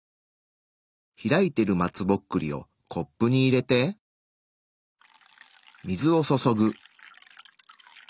開いている松ぼっくりをコップに入れて水を注ぐ。